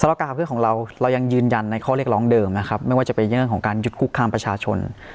การขับเคลื่อนของเราเรายังยืนยันในข้อเรียกร้องเดิมนะครับไม่ว่าจะเป็นเรื่องของการหยุดคุกคามประชาชน